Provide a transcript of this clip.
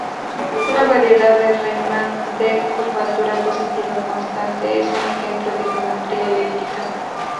Una variedad de Riemann de curvatura positiva constante es un ejemplo de geometría elíptica.